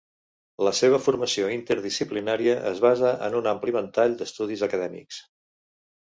La seva formació interdisciplinària es basa en un ampli ventall d'estudis acadèmics.